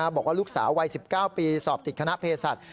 บอกว่าลูกสาววัย๑๙ปีสอบติดคณะเพศศาสต